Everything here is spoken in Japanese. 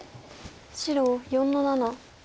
白４の七。